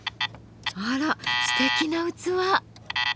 あらすてきな器。